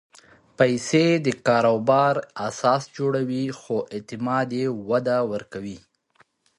پېسې د کاروبار اساس جوړوي، خو اعتماد یې وده ورکوي.